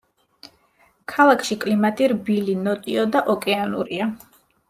ქალაქში კლიმატი რბილი, ნოტიო და ოკეანურია.